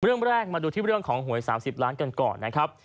เรื่องแรกมาดูที่เรื่องของหวย๓๐ล้านกันก่อนนะครับ